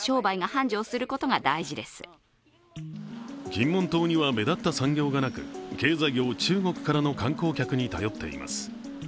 金門島には目立った産業がなく経済を中国からの観光客に頼っています。